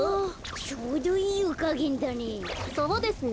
ちょうどいいゆかげんだね。